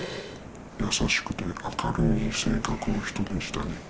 優しくて明るい性格の人でしたね。